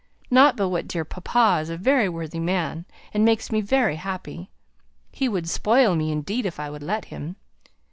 not but what dear papa is a very worthy man, and makes me very happy. He would spoil me, indeed, if I would let him.